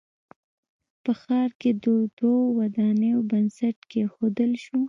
په ښار کښې د دوو ودانیو بنسټ کېښودل شو